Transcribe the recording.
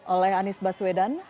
oleh anies baswedan